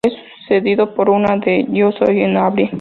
Es sucedido por una de "Yo soy" en abril.